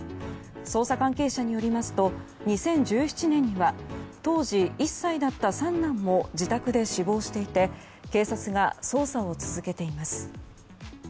捜査関係者によりますと２０１７年には当時１歳だった三男も自宅で死亡していて警察が捜査を続けています。